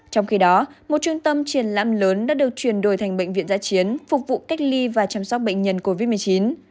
trong khi đó một trung tâm triển lãm lớn đã được chuyển đổi thành bệnh viện giã chiến phục vụ cách ly và chăm sóc bệnh nhân covid một mươi chín